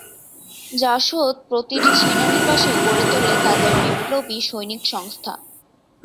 জাসদ প্রতিটি সেনানিবাসে গড়ে তোলে তাদের বিপ্লবী সৈনিক সংস্থা।